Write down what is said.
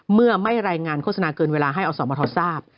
เมื่อไม่รายงานโฆษณาเกินเวลาให้อสมทรทราบ